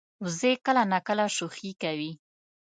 وزې کله ناکله شوخي کوي